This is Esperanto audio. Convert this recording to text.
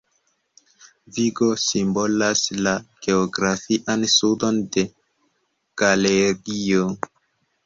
Vigo simbolas la geografian sudon de Galegio.